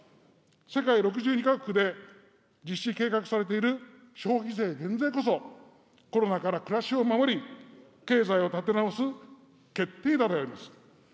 世界６２か国で実施・計画されている消費税減税こそ、コロナから暮らしを守り、経済を立て直す決定打であります。